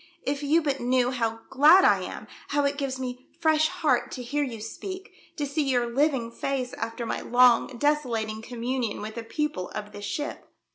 "If you but knew how glad I am, how it gives me fresh heart to hear you speak, to see your living face after my long desolating communion with the people of this ship